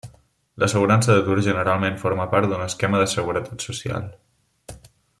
L'assegurança d'atur generalment forma part d'un esquema de seguretat social.